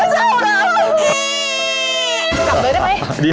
กลับเลยได้ไหม